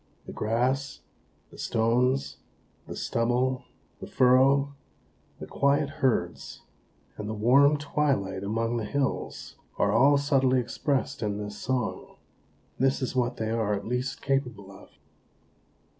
The grass, the stones, the stubble, the furrow, the quiet herds, and the warm twilight among the hills, are all subtly expressed in this song; this is what they are at least capable of."